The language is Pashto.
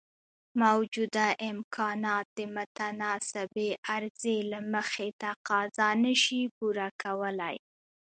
موجوده امکانات د متناسبې عرضې له مخې تقاضا نشي پوره کولای.